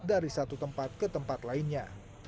dari satu tempat ke tempat lainnya